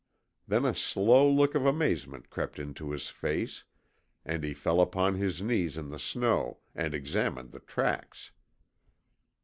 Then a slow look of amazement crept into his face, and he fell upon his knees in the snow and examined the tracks.